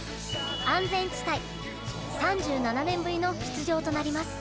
３７年ぶりの出場となります。